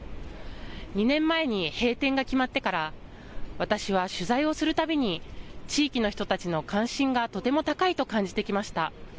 ２年前に閉店が決まってから私は取材をするたびに、地域の人たちの関心がとても高いと感じてきました。